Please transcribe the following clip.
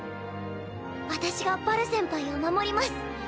私がバル先輩を守ります！